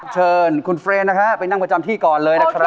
เชิญคุณเฟรนนะฮะไปนั่งประจำที่ก่อนเลยนะครับ